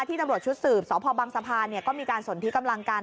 ที่ตำรวจชุดสืบสพบังสภารก็มีการสนทิกำลังการ